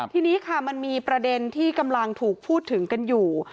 ทีนี้ค่ะมันมีประเด็นที่กำลังถูกพูดถึงกันอยู่